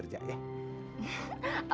terus abang kerja ya